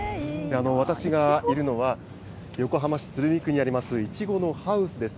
私がいるのは、横浜市鶴見区にありますいちごのハウスです。